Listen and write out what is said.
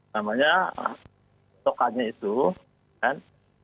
namanya pasokannya itu kan